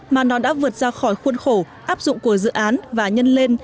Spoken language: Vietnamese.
mà nó đã vượt ra khỏi khuôn khổ áp dụng của dự án và nhân lên